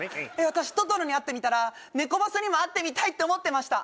私トトロに会ってみたらネコバスにも会ってみたいって思ってました